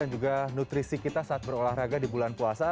dan juga nutrisi kita saat berolahraga di bulan puasa